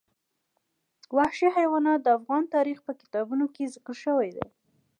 وحشي حیوانات د افغان تاریخ په کتابونو کې ذکر شوی دي.